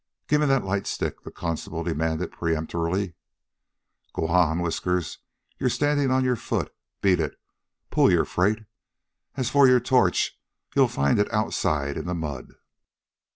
"Gimme that light stick," the constable demanded peremptorily. "G'wan, Whiskers. You're standin' on your foot. Beat it. Pull your freight. As for your torch you'll find it outside in the mud."